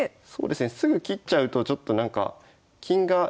すぐ切っちゃうとちょっとなんか金がいる分